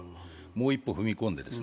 もう一歩踏み込んで。